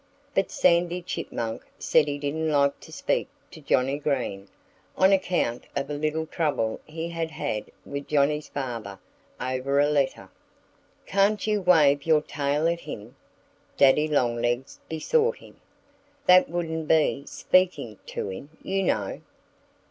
But Sandy Chipmunk said he didn't like to speak to Johnnie Green, on account of a little trouble he had had with Johnnie's father over a letter. "Can't you wave your tail at him?" Daddy Longlegs besought him. "That wouldn't be speaking to him, you know.